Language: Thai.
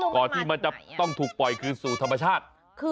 ก่อนที่มันจะต้องถูกปล่อยคืนสู่ธรรมชาติไม่รู้มันมาจากไหน